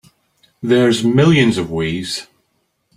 There's millions of ways.